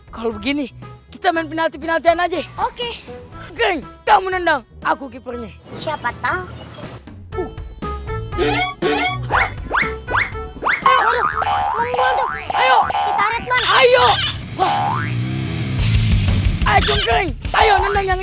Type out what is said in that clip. kalau begini kita main penalti penaltian aja oke kamu nendang aku keeper nih siapa tahu